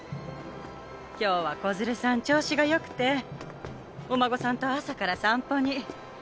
今日は小鶴さん調子がよくてお孫さんと朝から散歩に。